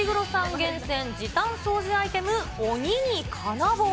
厳選時短掃除アイテム、鬼に金棒。